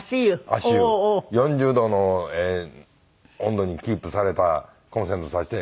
４０度の温度にキープされたコンセント挿して。